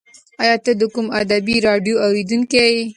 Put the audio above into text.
ایا ته د کوم ادبي راډیو اورېدونکی یې؟